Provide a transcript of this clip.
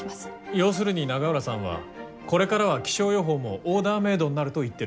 要するに永浦さんはこれからは気象予報もオーダーメードになると言ってるんでしょ？